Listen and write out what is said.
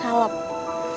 salep itu apa